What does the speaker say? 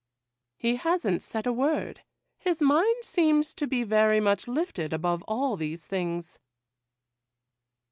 'He hasn't said a word; his mind seems to be very much lifted above all these things.